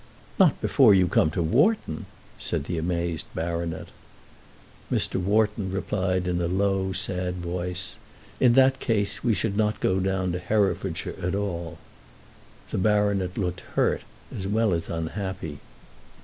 "Not before you come to Wharton!" said the amazed baronet. Mr. Wharton replied in a low, sad voice, "In that case we should not go down to Herefordshire at all." The baronet looked hurt as well as unhappy.